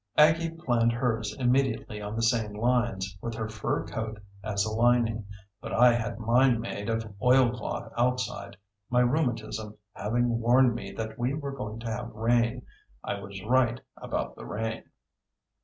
Aggie planned hers immediately on the same lines, with her fur coat as a lining; but I had mine made of oilcloth outside, my rheumatism having warned me that we were going to have rain. I was right about the rain.